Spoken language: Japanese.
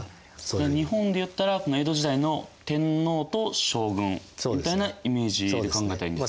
日本でいったら江戸時代の天皇と将軍みたいなイメージで考えたらいいんですか？